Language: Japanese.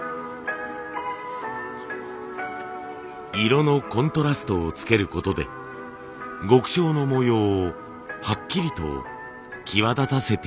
色のコントラストをつけることで極小の模様をはっきりと際立たせています。